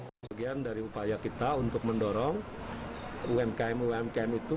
sebagian dari upaya kita untuk mendorong umkm umkm itu